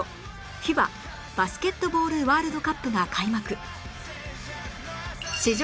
ＦＩＢＡ バスケットボールワールドカップが開幕！